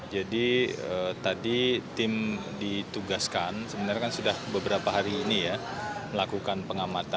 jadi tadi tim ditugaskan sebenarnya kan sudah beberapa hari ini ya melakukan pengamatan